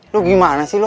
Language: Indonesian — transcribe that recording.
lu gimana sih lu